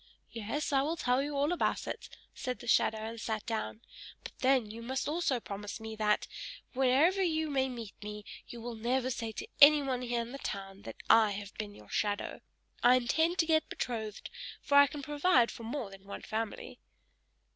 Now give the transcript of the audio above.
"Yes, I will tell you all about it," said the shadow, and sat down: "but then you must also promise me, that, wherever you may meet me, you will never say to anyone here in the town that I have been your shadow. I intend to get betrothed, for I can provide for more than one family."